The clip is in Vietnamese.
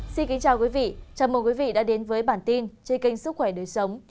xin kính chào quý vị chào mừng quý vị đã đến với bản tin trên kênh sức khỏe đời sống